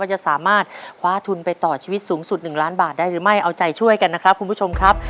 จะสามารถคว้าทุนไปต่อชีวิตสูงสุด๑ล้านบาทได้หรือไม่เอาใจช่วยกันนะครับคุณผู้ชมครับ